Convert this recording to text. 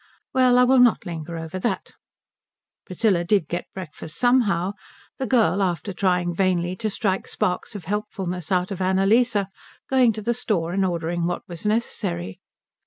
Well, I will not linger over that. Priscilla did get breakfast somehow, the girl, after trying vainly to strike sparks of helpfulness out of Annalise, going to the store and ordering what was necessary.